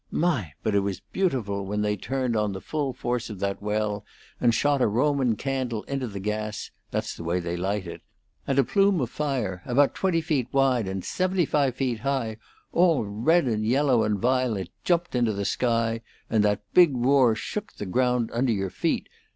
My! but it was beautiful when they turned on the full force of that well and shot a roman candle into the gas that's the way they light it and a plume of fire about twenty feet wide and seventy five feet high, all red and yellow and violet, jumped into the sky, and that big roar shook the ground under your feet!